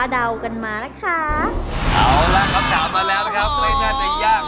เดากันมาล่ะค่ะเอาล่ะคำถามมาแล้วนะครับอ๋อใครน่าจะยั่ง